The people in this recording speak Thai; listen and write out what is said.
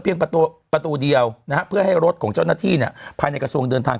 ประตูประตูเดียวนะฮะเพื่อให้รถของเจ้าหน้าที่เนี่ยภายในกระทรวงเดินทาง